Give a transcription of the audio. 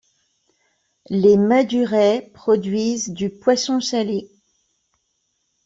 Les Madurais produisent du poisson salé.